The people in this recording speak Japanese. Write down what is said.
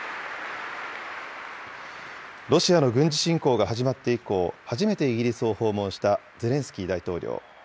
ロシアの軍事侵攻が始まって以降、初めてイギリスを訪問したゼレンスキー大統領。